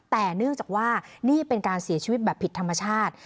แต่เนื่องจากว่านี่เป็นการเสียชีวิตแบบผิดธรรมชาติ